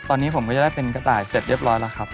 ตอนนี้ผมก็จะได้เป็นกระต่ายเสร็จเรียบร้อยแล้วครับ